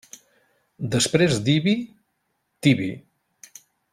Després d'Ibi, Tibi.